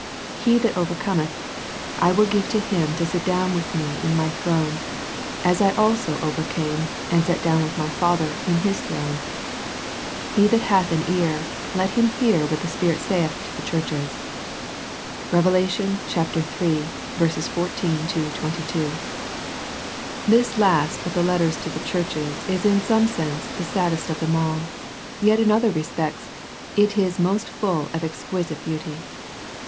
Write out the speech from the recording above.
He that overcometh, I will give to him to sit down with Me in My throne, as I also overcame, and sat down with My Father in His throne. He that hath an ear, let him hear what the Spirit saith to the churches." Rev. ui: 14 22. IX THE LAODICEA LETTER THIS last of the letters to the churches is in some sense saddest of them all, yet in other respects, it is most full of exquisite beauty.